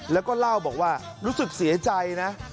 แล้วก็เล่าบอกว่ารู้สึกเสียใจนะ